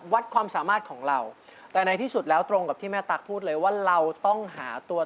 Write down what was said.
ฮักอายชอบมาจนแย่ส่อยให้เป็นรักแท้สู่เรา